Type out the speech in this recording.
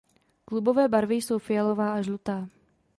Klubové barvy jsou fialová a žlutá.